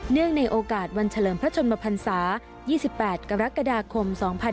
ในโอกาสวันเฉลิมพระชนมพันศา๒๘กรกฎาคม๒๕๖๒